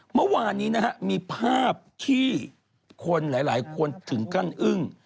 เมื่อวานนี้นะฮะมีภาพที่คนหลายคนถึงกั้นอึ้ง